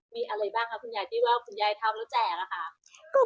มีอะไรบ้างที่คุณยายแจมแล้วเนี่ยครับ